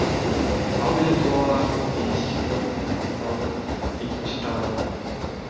Ал деле туура деңизчи, бирок бул медалдын экинчи тарабы гана.